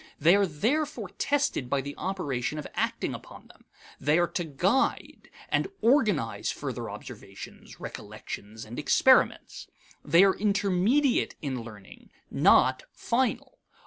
They are therefore tested by the operation of acting upon them. They are to guide and organize further observations, recollections, and experiments. They are intermediate in learning, not final.